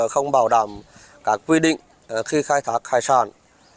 không bảo đảm các quy định khi khai thác hải sản